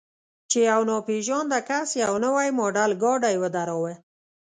چې یو ناپېژانده کس یو نوی ماډل ګاډی ودراوه.